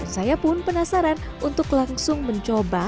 saya pun penasaran untuk langsung mencoba